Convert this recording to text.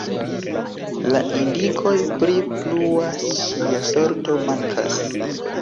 La indikoj pri plua ŝia sorto mankas.